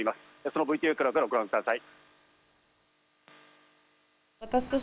そのＶＴＲからご覧ください。